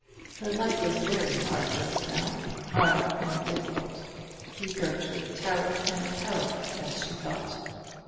Her life was very hard just now, hard and difficult, begirt with terror and peril, as she thought.